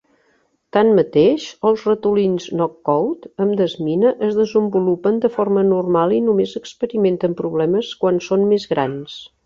Tanmateix, els ratolins "knockout" amb desmina es desenvolupen de forma normal i només experimenten problemes quan són més grans.